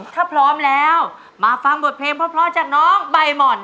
ถ้าพร้อมแล้วมาฟังบทเพลงเพราะจากน้องใบหม่อน